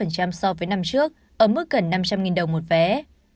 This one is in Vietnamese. so với năm trước ở mức gần năm trăm linh đồng một vé